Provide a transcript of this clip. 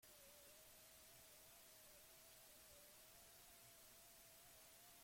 Gotzainak ez zituen torturaren arrastoak ikusi nahi izan.